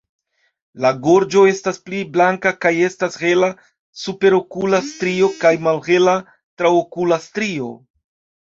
La gorĝo estas pli blanka kaj estas hela superokula strio kaj malhela traokula strio.